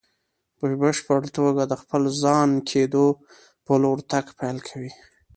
په بشپړ توګه د خپل ځان کېدو په لور تګ پيل کوي.